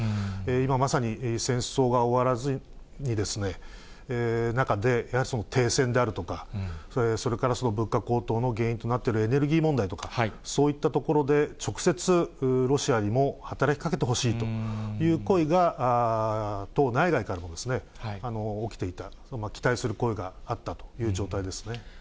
今まさに戦争が終わらずという中で、停戦であるとか、それから物価高騰の原因となっているエネルギー問題とか、そういったところで直接ロシアにも働きかけてほしいという声が、党内外から起きていた、期待する声があったという状態ですね。